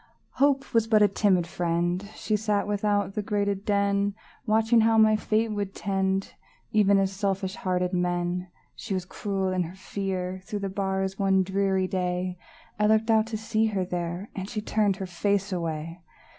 Hope Was but a timid friend; She sat without the grated den, Watching how my fate would tend, Even as selfish hearted men. She was cruel in her fear; Through the bars one dreary day, I looked out to see her there, And she turned her face away!